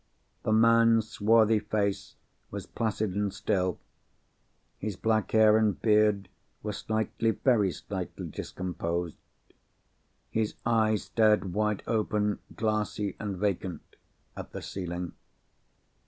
The man's swarthy face was placid and still; his black hair and beard were slightly, very slightly, discomposed. His eyes stared wide open, glassy and vacant, at the ceiling.